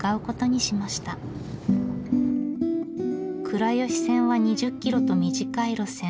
倉吉線は２０キロと短い路線。